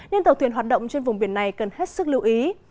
nên tàu thuyền hoạt động trên vùng biển này cần hết sức lưu ý